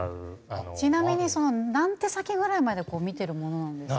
ちなみに何手先ぐらいまで見てるものなんですか？